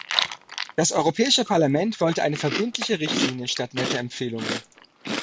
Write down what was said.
Das Europäische Parlament wollte eine verbindliche Richtlinie statt netter Empfehlungen.